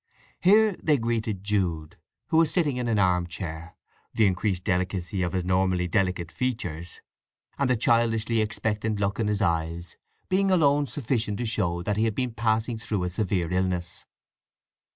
Here they greeted Jude, who was sitting in an arm chair, the increased delicacy of his normally delicate features, and the childishly expectant look in his eyes, being alone sufficient to show that he had been passing through a severe illness.